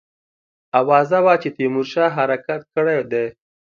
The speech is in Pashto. آوازه وه چې تیمورشاه حرکت کړی دی.